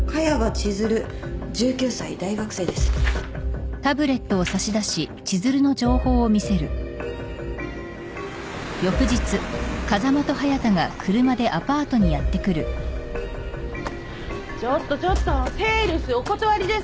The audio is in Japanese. ちょっとちょっとセールスお断りですけど。